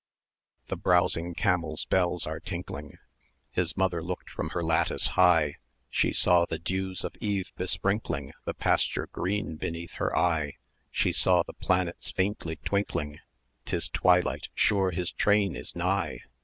The browsing camels' bells are tinkling:[dq] His mother looked from her lattice high 690 She saw the dews of eve besprinkling The pasture green beneath her eye, She saw the planets faintly twinkling: "'Tis twilight sure his train is nigh."